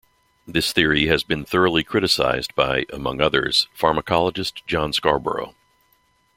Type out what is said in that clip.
This theory has been thoroughly criticized by, among others, pharmacologist John Scarborough.